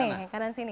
ke kanan sini